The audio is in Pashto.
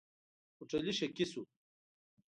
هوټلي شکي شو.